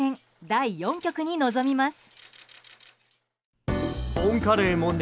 第４局に臨みます。